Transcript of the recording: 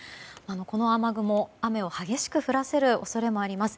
この雨雲、雨を激しく降らせる恐れもあります。